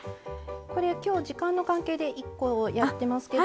これ今日時間の関係で１個やってますけど。